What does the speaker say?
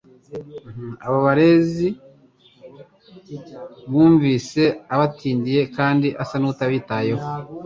Abo barezi btunvise abatindiye kandi asa n'utabyitayeho,